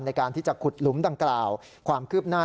ในการที่จะขุดหลุมดังกล่าวความคืบหน้า